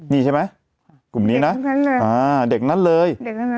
นี่ใช่ไหมกลุ่มนี้นะเด็กนั้นเลย